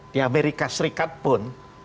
di amerika serikat pun